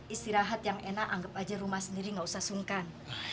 istirahat yang enak anggap aja rumah sendiri nggak usah sungkan